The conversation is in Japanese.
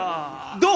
どう！？